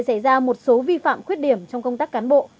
xảy ra một số vi phạm khuyết điểm trong công tác cán bộ